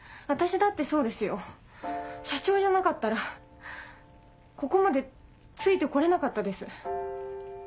私だってそうですよ。社長じゃなかったらここまでついて来れなかったです。